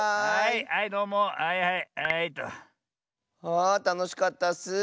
あたのしかったッス。